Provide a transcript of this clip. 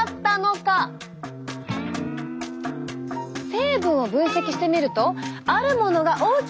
成分を分析してみるとあるものが大きく増えていました。